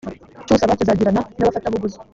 cy usaba kizagirana n abafatabuguzi